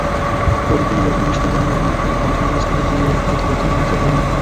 অতীতে নির্বাচন অনুষ্ঠানের জন্য রাজনীতিতে অচলাবস্থাকে জিইয়ে রাখা হতো, বর্তমানে বাস্তবতা ভিন্ন।